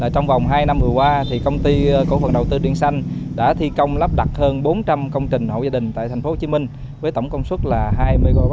trong vòng hai năm vừa qua công ty cổ phần đầu tư điện xanh đã thi công lắp đặt hơn bốn trăm linh công trình hậu gia đình tại tp hcm với tổng công suất là hai mw